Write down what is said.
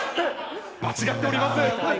間違っております。